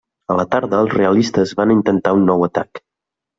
A la tarda els realistes van intentar un nou atac.